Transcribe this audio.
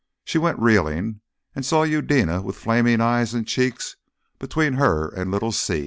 She went reeling, and saw Eudena with flaming eyes and cheeks between her and little Si.